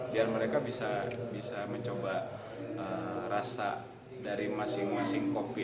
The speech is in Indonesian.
biar mereka bisa mencoba rasa dari masing masing kopi